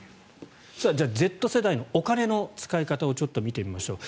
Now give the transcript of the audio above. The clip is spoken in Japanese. じゃあ、Ｚ世代のお金の使い方を見てみましょう。